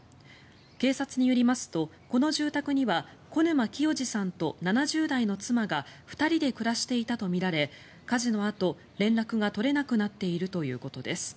警察によりますと、この住宅には小沼清治さんと７０代の妻が２人で暮らしていたとみられ火事のあと連絡が取れなくなっているということです。